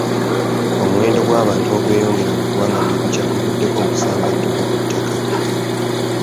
Omuwendo gw'abantu ogweyongera mu ggwanga buli lukya guvuddeko obusambattuko ku ttaka.